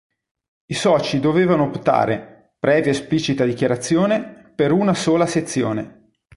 I soci dovevano optare, previo esplicita dichiarazione, per una sola sezione.